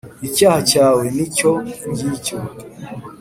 icyaha cyawe ni icyo ngicyo.